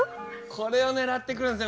これを狙って来るんですよ